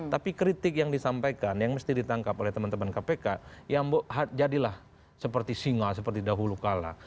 tapi kritik yang disampaikan yang mesti ditangkap oleh teman teman kpk ya jadilah seperti singa seperti dahulu kala